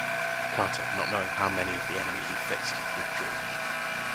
Carter, not knowing how many of the enemy he faced, withdrew.